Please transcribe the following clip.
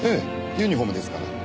ユニホームですから。